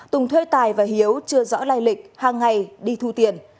tùng thuê tài và hiếu chưa rõ lai lịch hàng ngày đi thu tiền